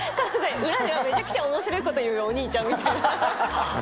裏ではめちゃくちゃ面白いこと言うお兄ちゃん。